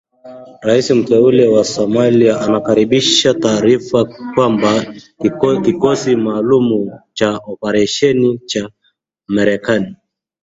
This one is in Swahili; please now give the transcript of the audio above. Rais mteule wa Somalia anakaribisha taarifa kwamba kikosi maalum cha operesheni cha Marekani